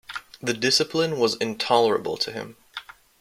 The discipline was intolerable to him.